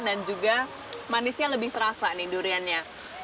juga manisnya lebih terasa nih duriannya